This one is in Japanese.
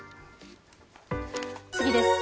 次です。